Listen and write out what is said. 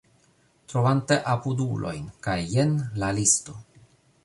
Trovante apudulojn kaj jen la listo